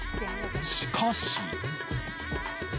しかし。